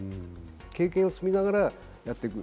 経験を積みながらやっていく。